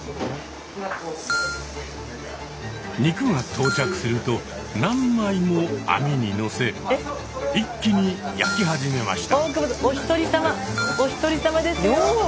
肉が到着すると何枚も網にのせ一気に焼き始めました。